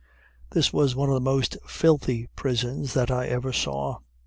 This was one of the most filthy prisons that I ever saw.